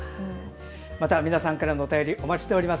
また皆さんからのお便りお待ちしています。